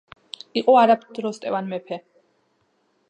იყო არაბეთ როსტევან მეფე